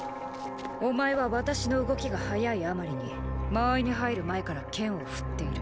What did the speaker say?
⁉お前は私の動きが速いあまりに間合いに入る前から剣を振っている。